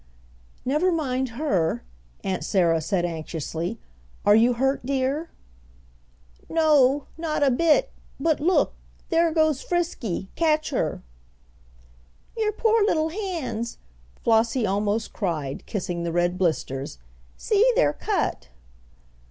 "Never mind her," Aunt Sarah said, anxiously. "Are you hurt, dear!" "No not a bit. But look! There goes Frisky! Catch her!" "Your poor little hands!" Flossie almost cried, kissing the red blisters. "See, they're cut!"